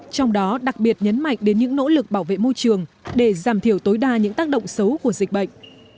trong đó đặc biệt nhấn mạnh đến những nỗ lực bảo vệ môi trường để giảm thiểu tối đa những tác động xấu của dịch bệnh